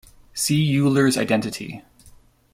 See Euler's identity.